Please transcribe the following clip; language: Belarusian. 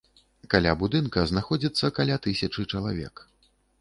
Каля будынка знаходзіцца каля тысячы чалавек.